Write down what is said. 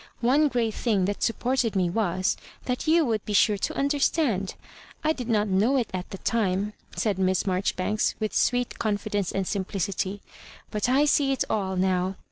One great thing that supported me was, that you would be sure to understand. I did not know it at the time," said Miss Marjoribanks, with sweet confidence and simplicity, "but I see it all now.